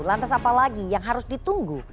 lantas apa lagi yang harus ditunggu